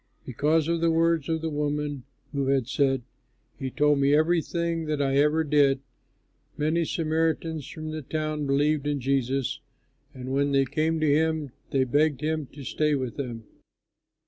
Because of the words of the woman who had said, "He told me everything that I ever did," many Samaritans from the town believed in Jesus; and when they came to him, they begged him to stay with them.